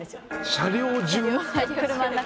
車両中？